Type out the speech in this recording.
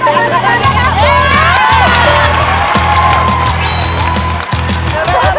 โอ้ยคืนงัก